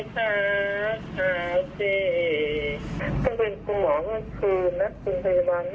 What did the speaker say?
แค่โกหกของแม่แค่โกหกของหมาน่ะ